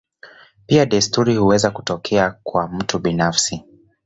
Pia desturi huweza kutokea kwa mtu binafsi.